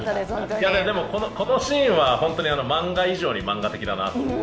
このシーンは本当に漫画以上に漫画的だなと思って。